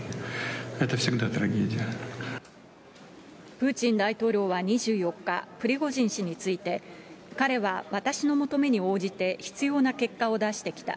プーチン大統領は２４日、プリゴジン氏について、彼は私の求めに応じて必要な結果を出してきた。